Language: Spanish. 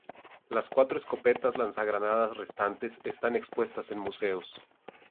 Las cuatro escopetas lanzagranadas restantes están expuestas en museos.